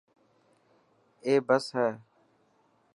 اي بس هي.